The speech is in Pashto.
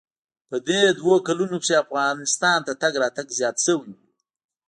په دې دوو کلونو کښې افغانستان ته تگ راتگ زيات سوى و.